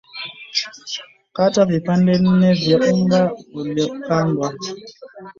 kata vipande nne vya unga uliokandwa